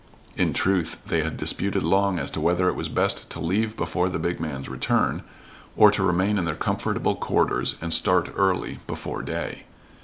In truth they had disputed long as to whether it was best to leave before the big man's return, or to remain in their comfortable quarters and start early, before day.